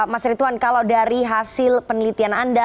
mas rituan kalau dari hasil penelitian anda